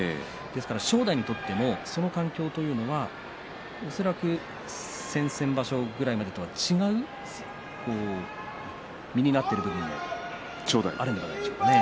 正代にとってもその環境というのは恐らく先々場所くらいまでとは違う、身になっている部分もあるかもしれませんね。